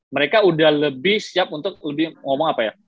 mereka udah lebih siap untuk lebih ngomong apa ya